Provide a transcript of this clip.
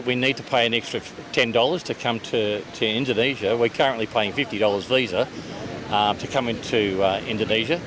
kami sedang membayar rp lima puluh untuk datang ke indonesia para orang australia juga